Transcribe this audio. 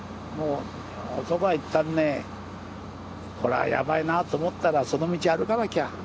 もう男はいったんねこれはやばいなと思ったらその道を歩かなきゃ。